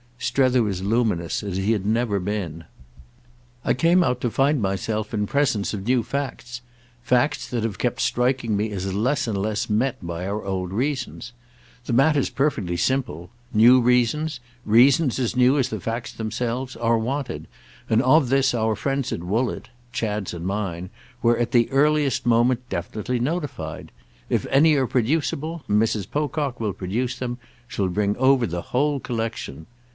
Strether was luminous as he had never been. "I came out to find myself in presence of new facts—facts that have kept striking me as less and less met by our old reasons. The matter's perfectly simple. New reasons—reasons as new as the facts themselves—are wanted; and of this our friends at Woollett—Chad's and mine—were at the earliest moment definitely notified. If any are producible Mrs. Pocock will produce them; she'll bring over the whole collection.